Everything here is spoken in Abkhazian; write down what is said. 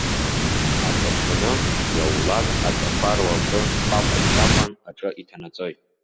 Аҵыхәтәаны, иаулак, аҵәақәа руакы ҟәаҟәа-чаҟәан аҿы иҭанаҵоит.